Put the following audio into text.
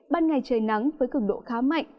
ban ngày trời nắng với cường độ khá mạnh